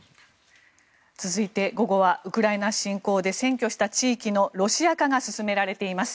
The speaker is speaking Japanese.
続いて、午後はウクライナ侵攻で占拠した地域のロシア化が進められています。